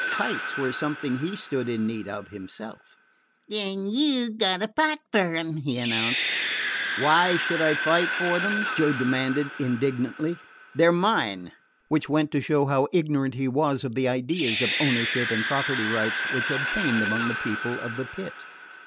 Kites were something he stood in need of himself. "Then you 've got to fight fer 'em," he announced. "Why should I fight for them?" Joe demanded indignantly. "They 're mine." Which went to show how ignorant he was of the ideas of ownership and property rights which obtained among the People of the Pit.